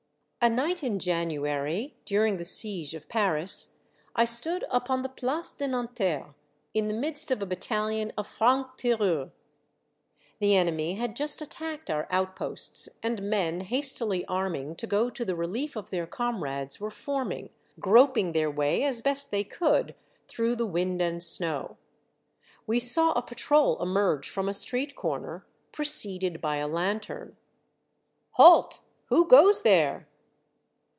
A NIGHT in January, during the Siege of Paris, I stood upon the Place de Nanterre, in the midst of a battahon of Franc tireurs . The enemy had just attacked our outposts, and men hastily arming to go to the relief of their comrades were forming, groping their way as best they could through the wind and snow; we saw a patrol emerge from a street corner, preceded by a lantern. " Halt ! who goes there